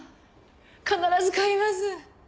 必ず買います！